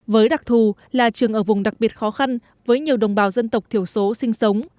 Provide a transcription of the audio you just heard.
với đặc thù là trường ở vùng đặc biệt khó khăn với nhiều đồng bào dân tộc thiểu số sinh sống